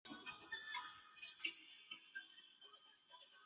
所有嘉庆十九年二三月以后喀什噶尔之参赞大臣等均有失察之咎。